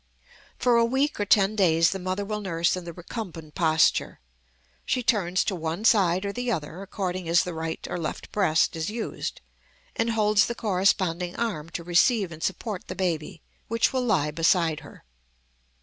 For a week or ten days the mother will nurse in the recumbent posture. She turns to one side or the other, according as the right or left breast is used, and holds the corresponding arm to receive and support the baby, which will lie beside her.